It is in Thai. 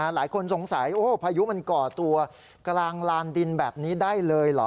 หลายคนสงสัยพายุมันก่อตัวกลางลานดินแบบนี้ได้เลยเหรอ